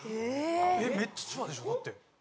めっちゃ千葉でしょだって。